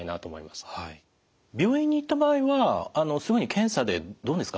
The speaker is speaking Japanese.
病院に行った場合はすぐに検査でどうですか